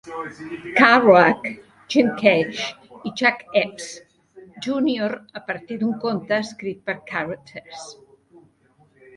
Caroak, Jim Cash i Jack Epps, Junior a partir d'un conte escrit per Carothers.